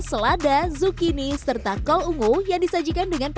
isian salatnya berupa sayuran segar kentang dan kentang